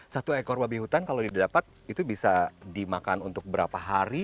satu ekor babi hutan kalau didapat itu bisa dimakan untuk berapa hari